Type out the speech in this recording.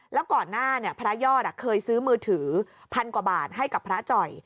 แล้วก่อนหน้าพระยอดเคยซื้อมือถือพันกว่าบาทให้กับพระจ่อย